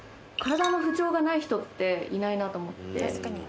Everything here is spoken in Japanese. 体の不調がない人っていないなと思って。